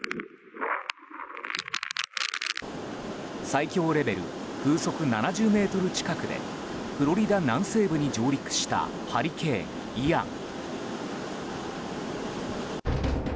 最強レベル風速７０メートル近くでフロリダ南西部に上陸したハリケーン、イアン。